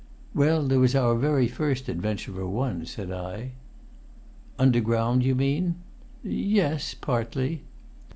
"Well, there was our very first adventure, for one," said I. "Underground, you mean?" "Yes partly."